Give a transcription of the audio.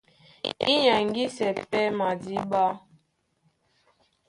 Í nyɛŋgísɛ́ pɛ́ madíɓá.